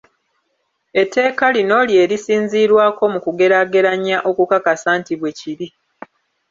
Etteeka lino lye lisinziirwako mu kugeraageranya okukakasa nti bwe kiri.